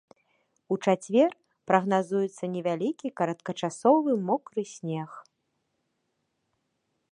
У чацвер прагназуецца невялікі кароткачасовы мокры снег.